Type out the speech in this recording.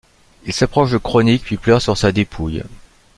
Il s'approche de Chronic puis pleure sur sa dépouille.